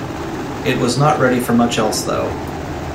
It was not ready for much else, though.